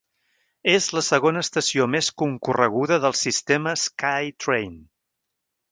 És la segona estació més concorreguda del sistema SkyTrain.